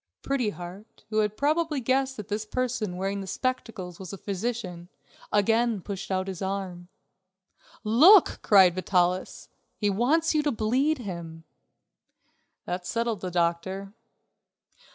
Pretty Heart, who had probably guessed that this person wearing the spectacles was a physician, again pushed out his arm. "Look," cried Vitalis, "he wants you to bleed him." That settled the doctor.